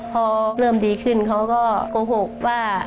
พอเริ่มดีขึ้นเขาก็โกหกว่า